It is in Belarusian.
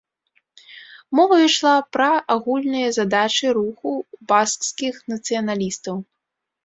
Мова ішла пра агульныя задачы руху баскскіх нацыяналістаў.